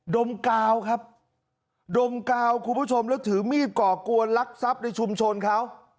ดมกาวครับดมกาวคุณผู้ชมแล้วถือมีดก่อกวนลักทรัพย์ในชุมชนเขา